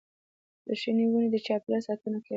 د شنې ونې د چاپېریال ساتنه کوي.